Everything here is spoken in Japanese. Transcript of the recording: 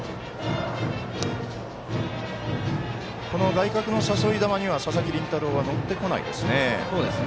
外角の誘い球には佐々木麟太郎は乗ってこないですね。